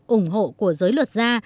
ủng hộ của giới luật gia